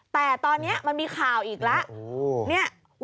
แต่ตอนนี้มันมีข่าวอีกแล้ว